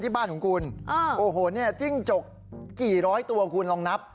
บ้านของคุณโอ้โหเนี่ยจิ้งจกกี่ร้อยตัวคุณลองนับ